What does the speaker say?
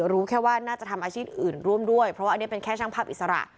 รู้แค่ว่าน่าจะทำอาชีพอื่นร่วมด้วยเพราะว่าอันนี้เป็นแค่ช่างภาพอิสระ